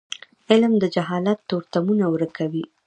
علم د جهالت تورتمونه ورکوي.